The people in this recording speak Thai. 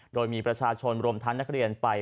โดยมีประชาชนรมทันณคแลนไป